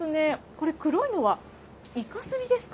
これ、黒いのはイカスミですか？